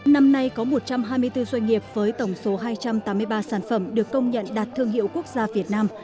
năm nay có một trăm hai mươi bốn doanh nghiệp với tổng số hai trăm tám mươi ba sản phẩm được công nhận đạt thương hiệu quốc gia việt nam